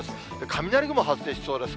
雷雲、発生しそうです。